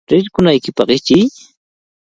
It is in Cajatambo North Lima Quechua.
¡Rirqunaykipaq ichiy!